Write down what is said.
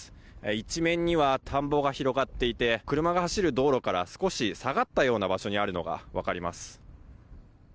一面には田んぼが広がっていて車が走る道路から少し下がったような場所にあるのが分かります。